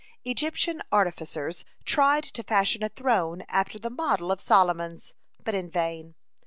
Egyptian artificers tried to fashion a throne after the model of Solomon's, but in vain.